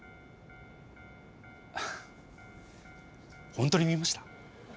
本当に見ました？